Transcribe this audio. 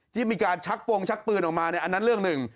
ที่มีการชักโปรงชักปืนออกมาอันนั้นเรื่องหนึ่ง